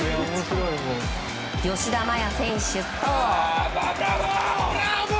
吉田麻也選手と。